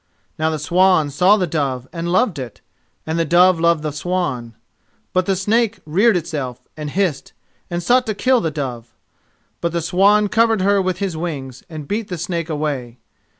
Now the swan saw the dove and loved it, and the dove loved the swan; but the snake reared itself, and hissed, and sought to kill the dove. But the swan covered her with his wings, and beat the snake away.